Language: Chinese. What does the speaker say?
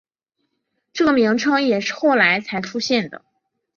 这个名称也是后来才出现的。